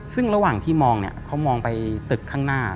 ซึ่งระหว่างที่มองเนี่ยเขามองไปตึกข้างหน้า